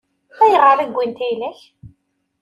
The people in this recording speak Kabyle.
Ayɣer i wwint ayla-k?